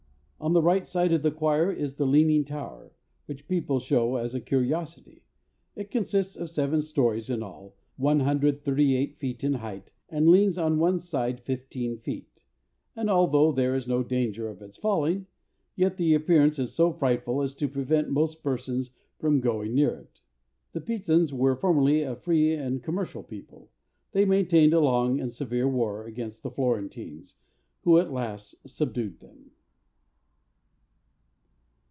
On the right side of the choir is the leaning tower, which people shew as a curiosity: it consists of seven stories in all, 138 feet in height, and leans on ITALY. 57 one side fifteen feet, and although there is no danger of its falling, yet the appearance is so frightful as to prevent most persons from going near it. The Pisans were formerly a free and commercial people : they maintained a long and severe war against the Florentines, who at last subdued them.